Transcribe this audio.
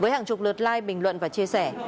hàng chục lượt like bình luận và chia sẻ